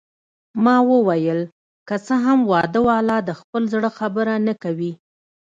ما وویل: که څه هم واده والا د خپل زړه خبره نه کوي.